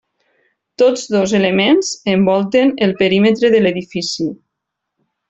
Tots dos elements envolten el perímetre de l'edifici.